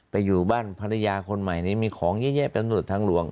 อยู่บ้านภรรยาคนใหม่นี้มีของเยอะแยะเป็นตำรวจทางหลวง